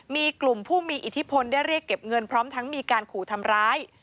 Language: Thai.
มีกลุ่มผู้มีอิทธิพลได้เรียกเก็บเงินพร้อมทั้งมีการขู่ทำร้าย